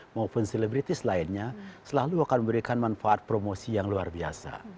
maupun selebritis lainnya selalu akan memberikan manfaat promosi yang luar biasa